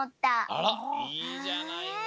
あらっいいじゃないの。